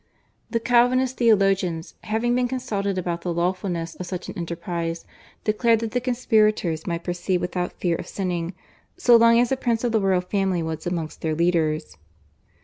The Calvinist theologians, having been consulted about the lawfulness of such an enterprise, declared that the conspirators might proceed without fear of sinning so long as a prince of the royal family was amongst their leaders.